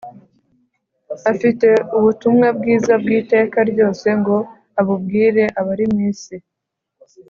afite ubutumwa bwiza bw’iteka ryose ngo abubwira abari mu isi,